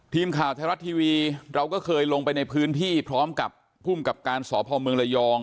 ทีมข่าวไทยรัฐทีวีเราก็เคยลงไปในพื้นที่พร้อมกับภูมิกับการสพเมืองระยอง